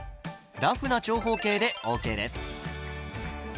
ラフな長方形でＯＫです。